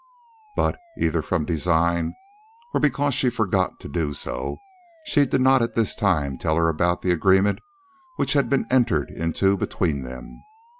But, either from design or because she forgot to do so, she did not at this time tell her about the agreement which had been entered into between them.